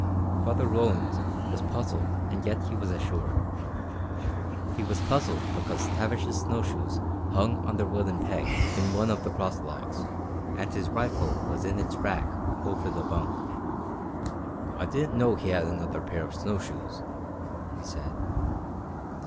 Father Roland was puzzled and yet he was assured. He was puzzled because Tavish's snow shoes hung on their wooden peg in one of the cross logs and his rifle was in its rack over the bunk. "I didn't know he had another pair of snow shoes," he said.